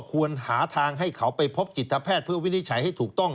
ควรหาทางให้เขาไปพบจิตแพทย์เพื่อวินิจฉัยให้ถูกต้อง